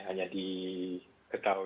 hanya di ketahuan ketahuan